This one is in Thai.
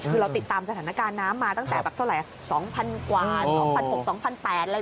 คือเราติดตามสถานการณ์น้ำมาตั้งแต่แปลกเท่าไรสองพันกว่าสองพันหกสองพันแปดอะไร